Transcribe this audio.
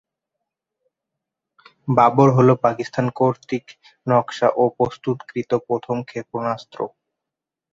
বাবর হলো পাকিস্তান কর্তৃক নকশা ও প্রস্তুতকৃত প্রথম ক্ষেপণাস্ত্র।